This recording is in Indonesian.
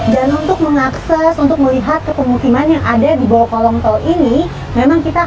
dan untuk mengakses untuk melihat ke pemukiman yang ada di bawah kolong tol ini memang kita